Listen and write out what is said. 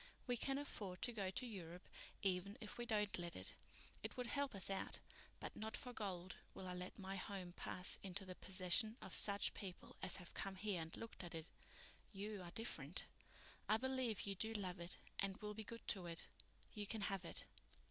We can afford to go to Europe even if we don't let it. It would help us out, but not for gold will I let my home pass into the possession of such people as have come here and looked at it. You are different. I believe you do love it and will be good to it. You can have it."